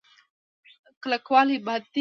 کلکوالی بد دی.